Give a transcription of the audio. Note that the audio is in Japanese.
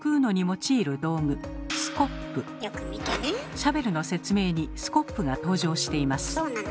シャベルの説明にスコップが登場しています。